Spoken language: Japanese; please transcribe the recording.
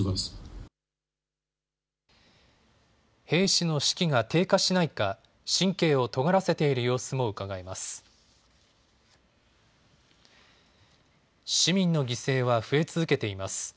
兵士の士気が低下しないか神経をとがらせている様子もうかがえます。